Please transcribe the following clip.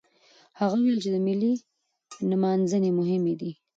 هغه وويل چې ملي نمانځنې مهمې دي.